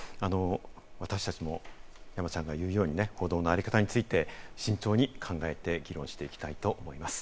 私達も山ちゃんが言うようにね、報道のあり方について、慎重に考えて議論していきたいと思います。